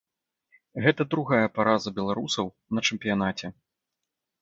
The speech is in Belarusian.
Гэта другая параза беларусаў на чэмпіянаце.